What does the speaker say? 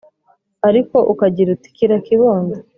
ariko ukagira uti: "kira kibondo! "